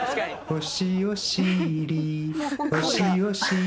おしおしり